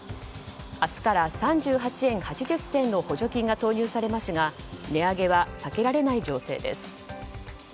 明日から３８円８０銭の補助金が投入されますが値上げは避けられない情勢です。